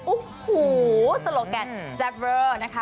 อู้หูสโลกแอดแซ่บเวิร์ดนะคะ